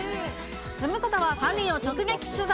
ズムサタは３人を直撃取材。